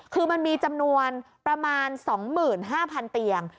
คือมันมีจำนวนประมาณ๒๕๐๐๐เตียง